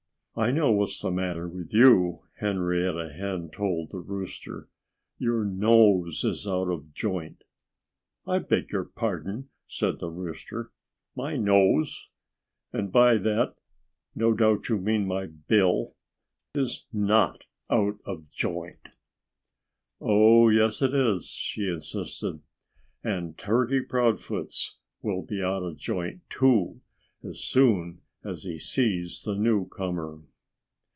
"I know what's the matter with you," Henrietta Hen told the rooster. "Your nose is out of joint." "I beg your pardon," said the rooster. "My nose and by that no doubt you mean my bill is not out of joint." "Oh, yes it is!" she insisted. "And Turkey Proudfoot's will be out of joint too, as soon as he sees the newcomer."